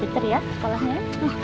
beker ya sekolahnya